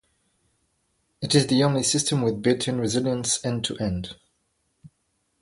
It is the only system with built-in resilience end-to-end.